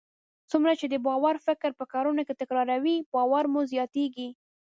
څومره چې د باور فکر په کړنو کې تکراروئ، باور مو زیاتیږي.